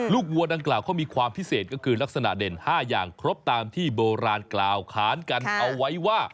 วัวดังกล่าวเขามีความพิเศษก็คือลักษณะเด่น๕อย่างครบตามที่โบราณกล่าวขานกันเอาไว้ว่า